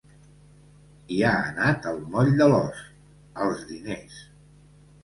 I ha anat al moll de l’os, als diners.